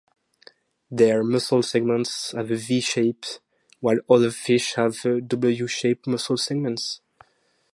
Their muscle segments have a "V-shape", while other fish have "W-shaped" muscle segments.